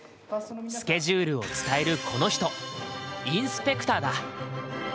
スケジュールを伝えるこの人「インスペクター」だ。